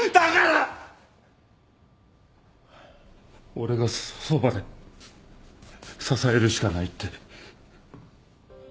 俺がそばで支えるしかないって。